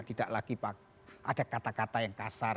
tidak lagi ada kata kata yang kasar